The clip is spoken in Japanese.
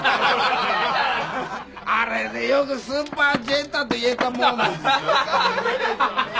あれでよくスーパージェッターって言えたもんですよ。